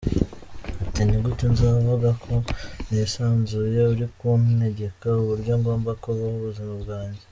Ati “Ni gute nzavuga ko nisanzuye uri kuntegeka uburyo ngomba kubaho ubuzima bwanjye.